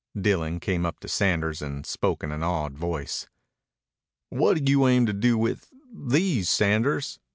Dillon came up to Sanders and spoke in an awed voice. "What do you aim to do with ... these, Sanders?"